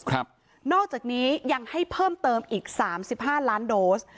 ครับนอกจากนี้ยังให้เพิ่มเติมอีกสามสิบห้าล้านโดส